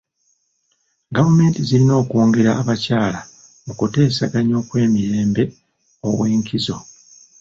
Gavumenti zirina okwongera abakyala mu kuteesaganya okw'emirembe ow'enkizo.